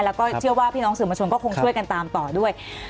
แล้วก็เชื่อว่าพี่น้องสื่อมชนก็คงช่วยกันตามต่อด้วย